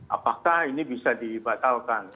apakah ini bisa dibatalkan